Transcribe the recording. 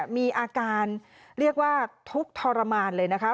มีอาการเรียกว่าทุกข์ทรมานเลยนะคะ